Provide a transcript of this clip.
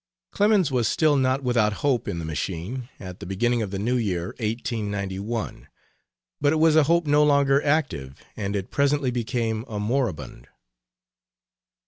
Clemens was still not without hope in the machine, at the beginning of the new year (1891) but it was a hope no longer active, and it presently became a moribund.